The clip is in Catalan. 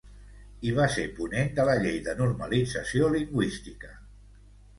I va ser ponent de la llei de normalització lingüística.